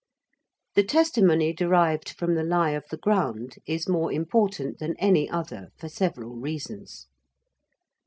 The testimony derived from the lie of the ground is more important than any other, for several reasons.